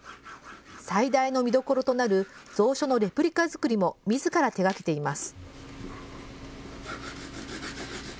最大の見どころとなる蔵書のレプリカ作りもみずから手がけています。